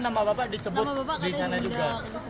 nama bapak disebut disana juga